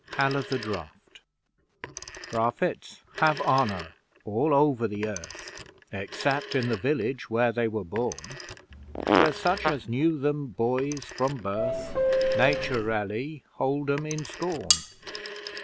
HAL O' THE DRAFT Prophets have honour all over the Earth, Except in the village where they were born, Where such as knew them boys from birth Nature ally hold 'em in scorn.